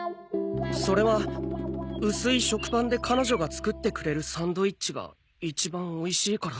それは薄い食パンで彼女が作ってくれるサンドイッチが一番おいしいから。